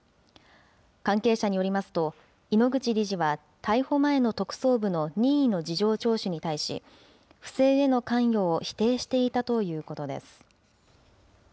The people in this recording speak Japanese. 関係者によりますと、井ノ口理事は逮捕前の特捜部の任意の事情聴取に対し、不正への関与を否定していたということです。